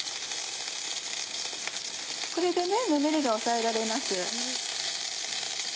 これでぬめりが抑えられます。